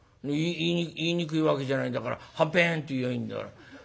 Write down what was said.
言いにくいわけじゃないんだからはんぺんって言やあいいんだから。